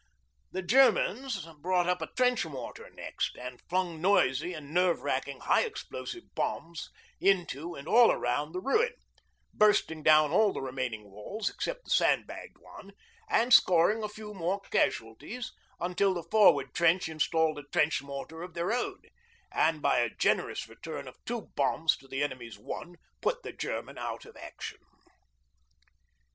The Germans brought up a trench mortar next and flung noisy and nerve wrecking high explosive bombs into and all round the ruin, bursting down all the remaining walls except the sandbagged one and scoring a few more casualties until the forward trench installed a trench mortar of their own, and by a generous return of two bombs to the enemy's one put the German out of action.